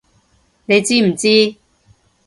你知唔知！